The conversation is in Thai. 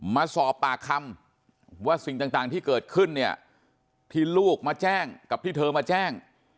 มาสอบปากคำว่าสิ่งต่างที่เกิดขึ้นเนี่ยที่ลูกมาแจ้งกับที่เธอมาแจ้ง